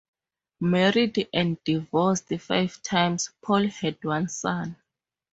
Married and divorced five times, Paul had one son.